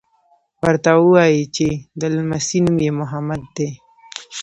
ورته ووایي چې د لمسي نوم یې محمد دی.